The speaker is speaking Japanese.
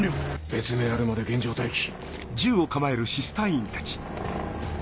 別命あるまで現場待機。